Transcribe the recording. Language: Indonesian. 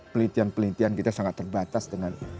pelitian pelitian kita sangat terbatas dengan